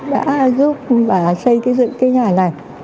đã giúp bà xây dựng cái nhà này